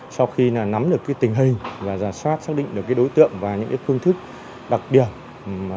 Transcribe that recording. sau khi nắm được tình hình và giả soát xác định được đối tượng và những phương thức đặc điểm